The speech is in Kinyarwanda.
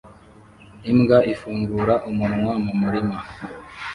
Imbwa ifungura umunwa mu murima